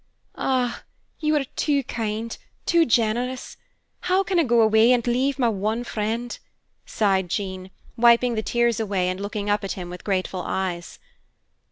"Ah, you are too kind, too generous! How can I go away and leave my one friend?" sighed Jean, wiping the tears away and looking up at him with grateful eyes.